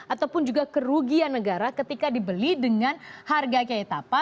ataupun juga kerugian negara ketika dibeli dengan harga kiai tapa